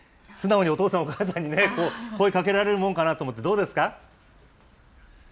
素直にお父さん、お母さんにね、声かけられるものかなと思って、どうですか？